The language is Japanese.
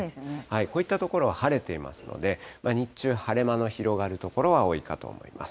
こういった所は晴れていますので、日中、晴れ間の広がる所は多いかと思います。